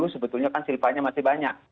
sebetulnya kan silvanya masih banyak